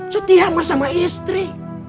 setia sama istri